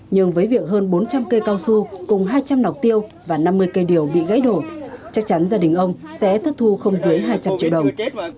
nhưng với việc hơn bốn trăm linh cây cao su cùng hai trăm linh nọc tiêu và năm mươi cây điều bị gãy đổ chắc chắn gia đình ông sẽ thất thu không dưới hai trăm linh triệu đồng